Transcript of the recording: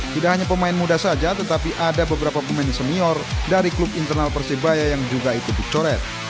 tidak hanya pemain muda saja tetapi ada beberapa pemain senior dari klub internal persebaya yang juga ikut dicoret